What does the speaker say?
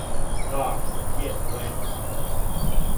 Да, је лепо.